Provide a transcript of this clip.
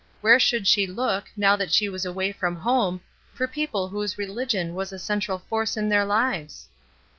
Where should she look, now that she was away from home, for people whose religion was a central force in their lives?